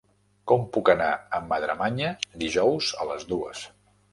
Com puc anar a Madremanya dijous a les dues?